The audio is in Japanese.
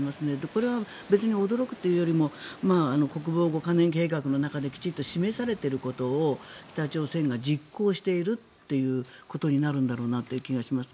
これは別に驚くというよりも国防五カ年計画の中できちんと示されていることを北朝鮮が実行しているということになるんだろうなという気がします。